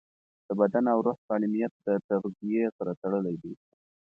د بدن او روح سالمیت د تغذیې سره تړلی دی.